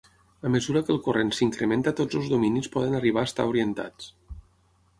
A mesura que el corrent s'incrementa tots els dominis poden arribar a estar orientats.